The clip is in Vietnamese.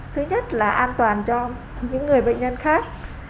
thứ nhất là an toàn cho những người bệnh nhân khác